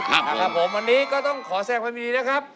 ครับนะครับผมวันนี้ก็ต้องขอแสดงความดีนะครับ